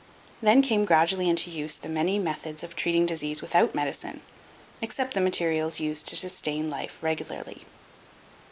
Then came gradually into use the many methods of treating disease without medicine, except the materials used to sustain life regularly.